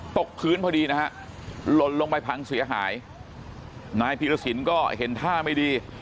ตกพื้นพอดีนะฮะหล่นลงไปพังเสียหายนายพีรสินก็เห็นท่าไม่ดี